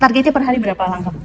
targetnya per hari berapa langkah